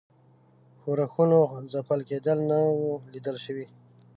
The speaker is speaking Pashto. ښورښونو ځپل کېدل نه وه لیده شوي.